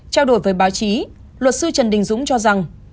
trao đổi với báo chí luật sư trần đình dũng cho rằng